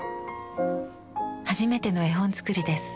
初めての絵本作りです。